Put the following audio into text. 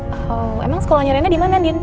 oh emang sekolahnya rena dimana ndin